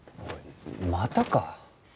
またか？